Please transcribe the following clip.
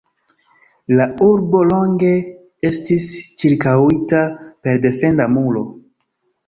La urbo longe estis ĉirkaŭita per defenda muro.